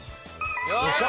よっしゃ！